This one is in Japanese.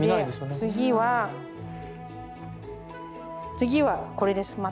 で次は次はこれです。